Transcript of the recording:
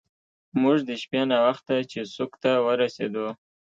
موږ د شپې ناوخته چیسوک ته ورسیدو.